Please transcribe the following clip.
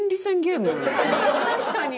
確かに。